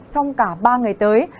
trong cả ba ngày tới